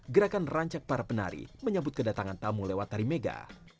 gerakan rancak para penari menyambut kedatangan tamu lewat tari mega